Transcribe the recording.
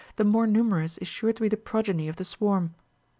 11 numerous is sure to be the progeny of the swarm.